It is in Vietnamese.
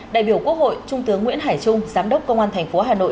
đại biểu quốc hội trung tướng nguyễn hải trung giám đốc công an tp hà nội